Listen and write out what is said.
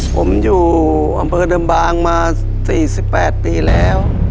ผมอยู่อำเภอเดิมบางมา๔๘ปีแล้ว